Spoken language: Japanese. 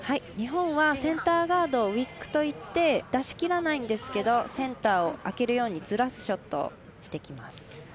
日本はセンターガードをウィックといって出しきらないんですけどセンターを空けるようにずらすショットをしてきます。